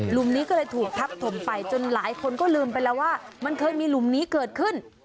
นี้ก็เลยถูกทับถมไปจนหลายคนก็ลืมไปแล้วว่ามันเคยมีหลุมนี้เกิดขึ้น